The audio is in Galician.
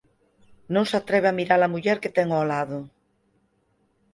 Non se atreve a mira-la muller que ten ó lado.